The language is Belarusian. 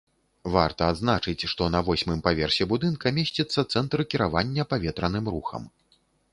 Варта адзначыць, што на восьмым паверсе будынка месціцца цэнтр кіравання паветраным рухам.